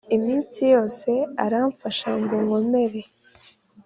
Iminsi yose aramfasha ngo nkomere